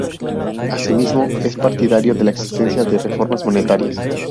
Así mismo es partidario de la existencia de reformas monetarias.